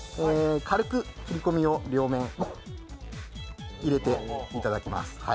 軽く切り込みを両面入れていただきます。